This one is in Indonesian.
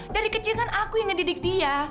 dari kecil kan aku yang ngedidik dia